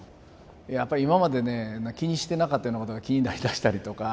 やっぱり今までね気にしてなかったようなことが気になりだしたりとか。